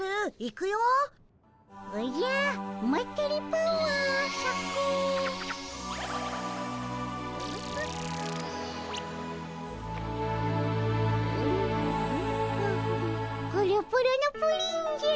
プルプルのプリンじゃ。